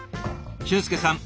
俊介さん